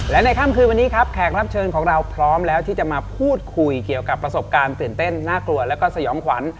และในค่ำคืนวันนี้ครับแขกรับเชิญของเราพร้อมแล้วที่จะมาพูดคุยเกี่ยวกับประสบการณ์ตื่นเต้นน่ากลัวแล้วก็สยองขวัญ